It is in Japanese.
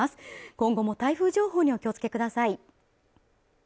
今後も台風情報にお気をつけください